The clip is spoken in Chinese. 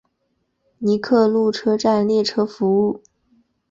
尼克路车站列车服务。